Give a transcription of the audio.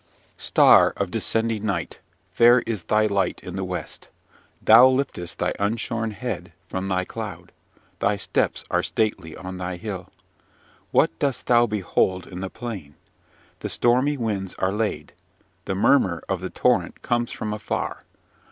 "Star of descending night! fair is thy light in the west! thou liftest thy unshorn head from thy cloud; thy steps are stately on thy hill. What dost thou behold in the plain? The stormy winds are laid. The murmur of the torrent comes from afar.